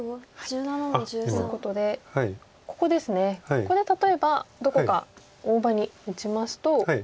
ここで例えばどこか大場に打ちますと。